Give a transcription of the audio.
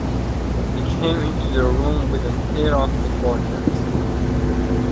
He came into the room with an air of importance.